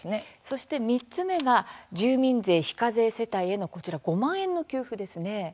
そして、３つ目が住民税非課税世帯へのこちら５万円の給付ですね。